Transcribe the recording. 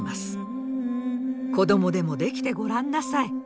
子供でもできてごらんなさい。